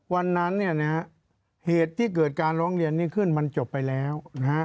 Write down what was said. วันนั้นเนี่ยนะฮะเหตุที่เกิดการร้องเรียนนี้ขึ้นมันจบไปแล้วนะฮะ